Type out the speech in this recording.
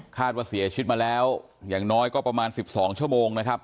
ว่าเสียชีวิตมาแล้วอย่างน้อยก็ประมาณ๑๒ชั่วโมงนะครับ